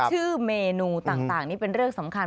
ชื่อเมนูต่างนี่เป็นเรื่องสำคัญ